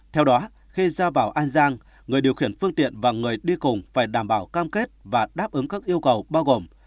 theo đó khi ra vào an giang người điều khiển phương tiện và người đi cùng phải đảm bảo cam kết và đáp ứng các yêu cầu bao gồm